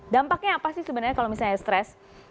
dampaknya apa sih sebenarnya kalau misalnya stres